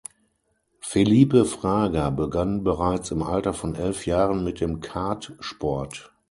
Felipe Fraga begann bereits im Alter von elf Jahren mit dem Kartsport.